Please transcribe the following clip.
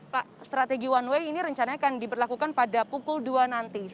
pak strategi one way ini rencananya akan diberlakukan pada pukul dua nanti